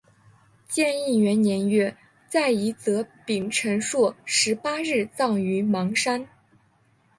建义元年月在夷则丙辰朔十八日葬于邙山。